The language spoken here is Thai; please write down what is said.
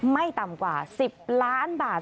ไม่ต่ำกว่า๑๐ล้านบาท